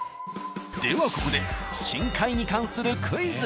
ではここで深海に関するクイズ。